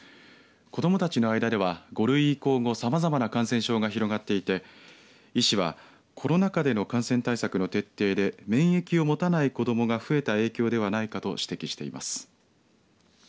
子どもたちの間では５類移行後さまざまな感染症が広がっていて医師はコロナ禍での感染対策の徹底で免疫を持たない子どもが増えた影響ではないかと指摘しています。